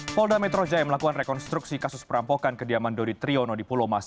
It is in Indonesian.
polda metro jaya melakukan rekonstruksi kasus perampokan kediaman dodi triono di pulau mas